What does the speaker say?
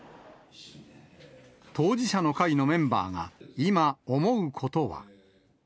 当事者の会のメンバーが今、思うことは。